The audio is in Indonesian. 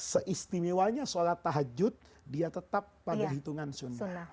seistimewanya sholat tahajud dia tetap pada hitungan sunnah